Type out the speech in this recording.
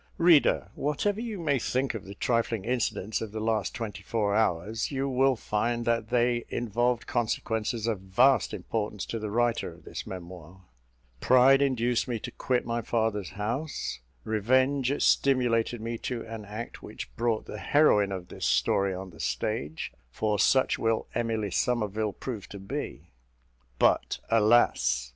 Reader, whatever you may think of the trifling incidents of the last twenty four hours, you will find that they involved consequences of vast importance to the writer of this memoir. Pride induced me to quit my father's house; revenge stimulated me to an act which brought the heroine of this story on the stage, for such will Emily Somerville prove to be. But, alas!